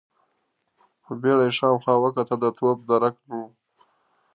په بيړه يې شاوخوا وکتل، د توپ درک نه و.